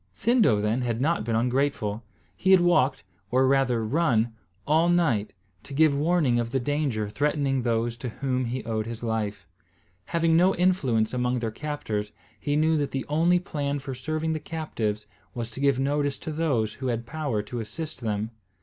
Sindo, then, had not been ungrateful; he had walked, or rather run, all night, to give warning of the danger threatening those to whom he owed his life. Having no influence among their captors, he knew that the only plan for serving the captives was to give notice to those who had power to assist them.